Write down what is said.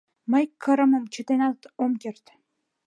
Мый кырымым чытенак ом керт.